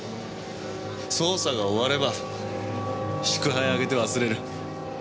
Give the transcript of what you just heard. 捜査が終われば祝杯あげて忘れる。